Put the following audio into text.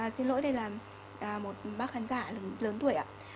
xin lỗi đây là một bác khán giả lớn tuổi ạ